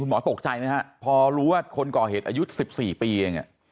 คุณหมอตกใจนะครับพอรู้ว่าคนก่อเหตุอายุ๑๔ปีอย่างนี้